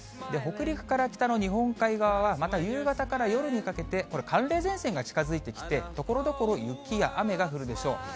北陸から北の日本海側は、また夕方から夜にかけて、これ寒冷前線が近づいてきて、ところどころ雪や雨が降るでしょう。